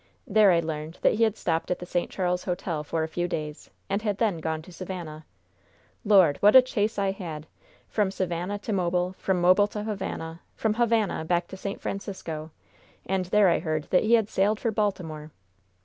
There I learned that he had stopped at the St. Charles Hotel for a few days, and had then gone to Savannah. Lord, what a chase I had! From Savannah to Mobile; from Mobile to Havana; from Havana back to St. Francisco. And there I heard that he had sailed for Baltimore!